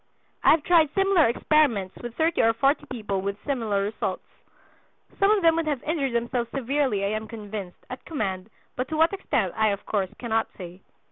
I have tried similar experiments with thirty or forty people with similar results. Some of them would have injured themselves severely, I am convinced, at command, but to what extent I of course cannot say.